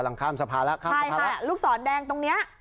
หลังข้ามสภาระลูกศรแดงตรงนี้